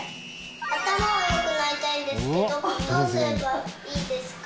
頭が良くなりたいんですけどどうすればいいですか？